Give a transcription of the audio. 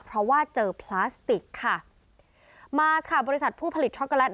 เพราะว่าเจอพลาสติกค่ะมาค่ะบริษัทผู้ผลิตช็อกโกแลต